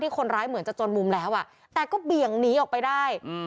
คนร้ายเหมือนจะจนมุมแล้วอ่ะแต่ก็เบี่ยงหนีออกไปได้